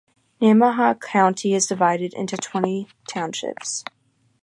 Nemaha County is divided into twenty townships.